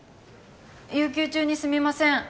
有休中にすみません。